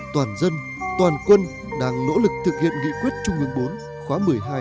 toàn dân toàn quân đang nỗ lực thực hiện nghị quyết trung ương bốn khóa một mươi hai